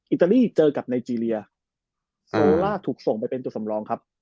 อิตาลีเจอกับไนเจรียโซล่าถูกส่งไปเป็นตัวสำรองครับ